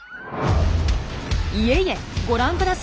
いえいえご覧ください。